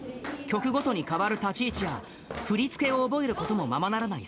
曲ごとに変わる立ち位置や、振り付けを覚えることもままならない